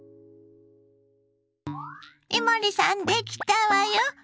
伊守さんできたわよ。